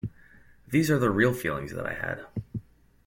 These are the real feelings that I had.